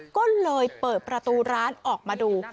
ก็เลยเปิดประตูร้านออกมาดู